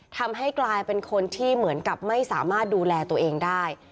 ทำให้กลายเป็นคนที่เหมือนกับไม่สามารถดูแลตัวเองได้